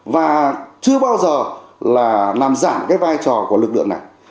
và chưa bao giờ là làm giảm cái vai trò của lực lượng này